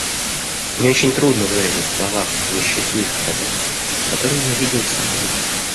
Мне очень трудно выразить в словах нищету и страдания, которые я видел в Сомали.